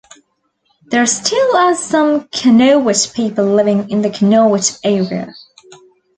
There still are some Kanowit people living in the Kanowit area.